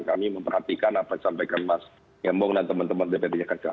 kami memperhatikan apa yang disampaikan mas gembong dan teman teman dprd dki jakarta